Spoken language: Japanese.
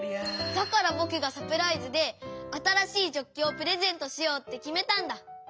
だからぼくがサプライズであたらしいジョッキをプレゼントしようってきめたんだ！